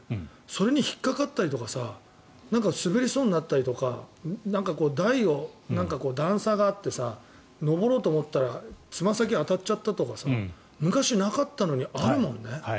それに引っかかったりとか滑りそうになったりとか台を段差があって上ろうと思ったらつま先が当たっちゃったとか昔なかったのに、あるもんね。